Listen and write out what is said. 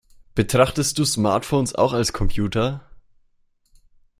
Betrachtest du Smartphones auch als Computer?